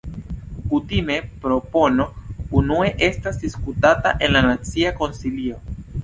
Kutime propono unue estas diskutata en la Nacia Konsilio.